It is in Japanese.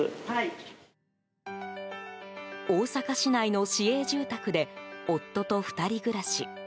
大阪市内の市営住宅で夫と２人暮らし。